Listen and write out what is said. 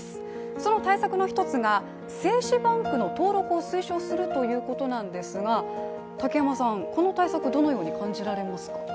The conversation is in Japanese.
その対策の一つが、精子バンクの登録を推奨するということなんですがこの対策、どのように感じられますか。